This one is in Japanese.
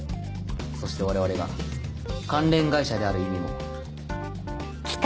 そして我々が関連会社である意味も。